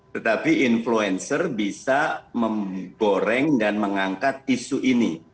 tetapi influencer bisa menggoreng dan mengangkat isu ini